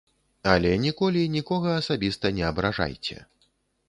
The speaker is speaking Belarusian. Але ніколі нікога асабіста не абражайце.